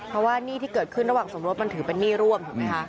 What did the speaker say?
เพราะว่าหนี้ที่เกิดขึ้นระหว่างสมรสมันถือเป็นหนี้ร่วมถูกไหมคะ